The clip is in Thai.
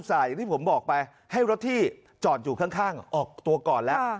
อย่างที่ผมบอกไปให้รถที่จอดอยู่ข้างออกตัวก่อนแล้ว